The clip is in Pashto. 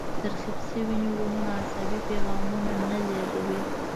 تخریب شوي نیورونونه عصبي پیغامونه نه لېږدوي.